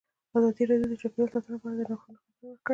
ازادي راډیو د چاپیریال ساتنه په اړه د نوښتونو خبر ورکړی.